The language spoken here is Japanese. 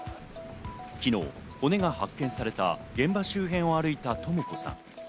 昨日、骨が発見された現場周辺を歩いたとも子さん。